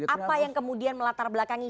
apa yang kemudian melatar belakangi